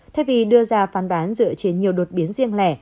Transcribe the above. thay vì đưa ra phán đoán dựa trên nhiều đột biến riêng lẻ